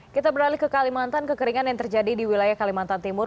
kita beralih ke kalimantan kekeringan yang terjadi di wilayah kalimantan timur